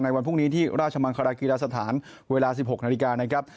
วันพรุ่งนี้ที่ราชมังคลากีฬาสถานเวลา๑๖นาฬิกานะครับ